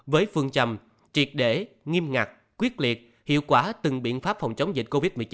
với phương châm triệt để nghiêm ngặt quyết liệt hiệu quả từng biện pháp phòng chống dịch covid một mươi chín